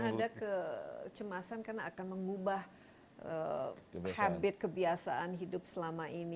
karena ada kecemasan karena akan mengubah habit kebiasaan hidup selama ini